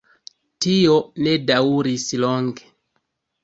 Tio ne daŭris longe.